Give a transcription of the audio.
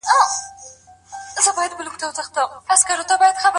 موږ د خپلو علمي هڅو په برکت بریالي کيږو.